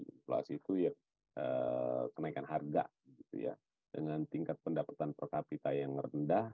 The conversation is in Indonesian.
inflasi itu ya kenaikan harga dengan tingkat pendapatan per kapita yang rendah